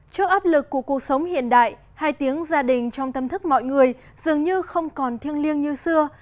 trước áp lực của cuộc sống hiện đại hai tiếng gia đình trong tâm thức mọi người dường như không còn thiêng liêng như xưa